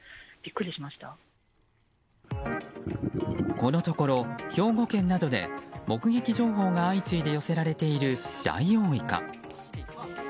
このところ、兵庫県などで目撃情報が相次いで寄せられているダイオウイカ。